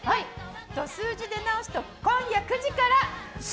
数字ですと今夜９時から。